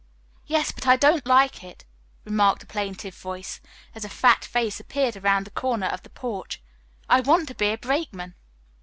"Yes, but I don't like it," remarked a plaintive voice, as a fat face appeared around the corner of the porch. "I want to be a brakeman."